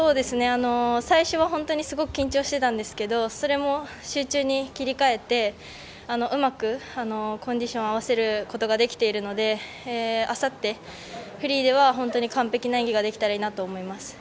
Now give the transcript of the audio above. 最初は本当にすごく緊張していたんですけどそれも、集中に切り替えてうまくコンディション合わせることができているのであさって、フリーでは本当に完璧な演技ができたらいいなと思います。